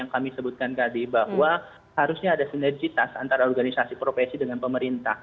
karena harusnya ada sinergitas antara organisasi profesi dengan pemerintah